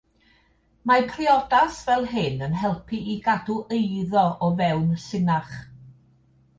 Mae priodas fel hyn yn helpu i gadw eiddo o fewn llinach.